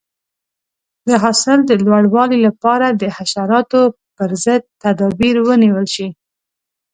د حاصل د لوړوالي لپاره د حشراتو پر ضد تدابیر ونیول شي.